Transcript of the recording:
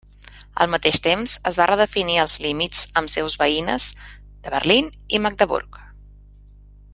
Al mateix temps es va redefinir els límits amb seus veïnes de Berlín i Magdeburg.